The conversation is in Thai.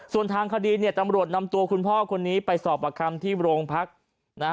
ส่วนทางคดีเนี่ยตำรวจนำตัวคุณพ่อคนนี้ไปสอบประคัมที่โรงพักนะฮะ